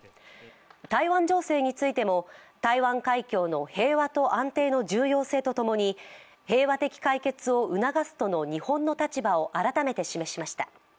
台湾情勢についても台湾海峡の平和と安定の重要性とともに平和的解決を促すとの日本の立場を改めて示しました。